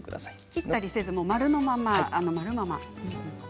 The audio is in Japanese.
切ったりせず丸のままですね。